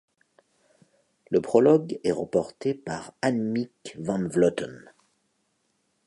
Le prologue est remporté par Annemiek van Vleuten.